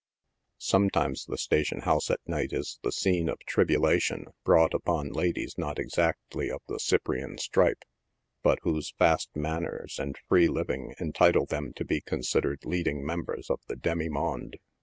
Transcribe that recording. Sometimes the station house at night is the scene of tribulation brought upon ladies not exactly of the cyprian stripe, but whose fast manners and free living entitle them to be considered leading members of the demi monde.